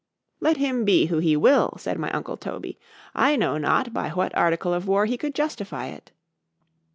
_——Let him be who he will, said my uncle Toby, I know not by what article of war he could justify it.